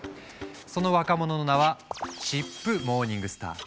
その若者の名はチップ・モーニングスター。